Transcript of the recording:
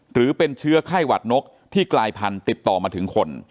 หรือเป็นเชื้อไข้หวัดนกที่กลายพันธุ์ติดต่อมาถึงคน